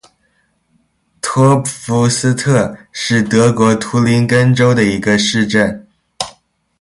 托普夫斯特是德国图林根州的一个市镇。